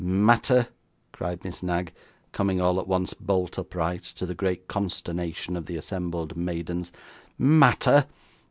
'Matter!' cried Miss Knag, coming, all at once, bolt upright, to the great consternation of the assembled maidens; 'matter!